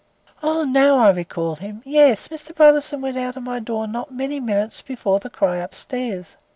"Oh, now I recall him! Yes, Mr. Brotherson went out of my door not many minutes before the cry upstairs.